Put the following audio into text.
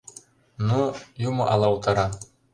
— Ну, юмо ала утара...